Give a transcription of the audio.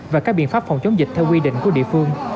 và các biện pháp phòng chống dịch theo quy định của địa phương